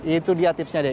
itu dia tipsnya dek